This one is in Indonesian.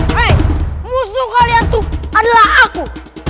hei musuh kalian tuh adalah aku